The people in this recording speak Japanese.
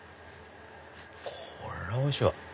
これおいしいわ。